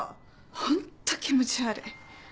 ホント気持ち悪い！